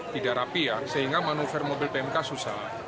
terapi ya sehingga manuver mobil pmk susah